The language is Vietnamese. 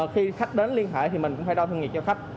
khi khách đến liên hệ thì mình cũng phải đo thân nhiệt cho khách